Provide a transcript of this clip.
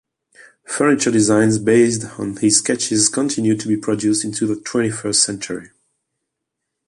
Furniture designs based on his sketches continued to be produced into the twenty-first century.